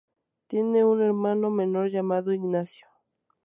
Tiene un hermano menor llamado Ignacio.